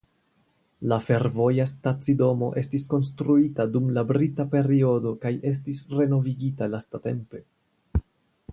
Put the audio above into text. La fervoja stacidomo estis konstruita dum la brita periodo kaj estis renovigita lastatempe.